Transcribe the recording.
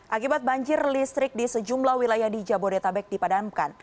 akibat banjir listrik di sejumlah wilayah di jabodetabek dipadamkan